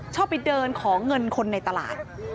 ชอบไปเดินขอเงินคนในตลาด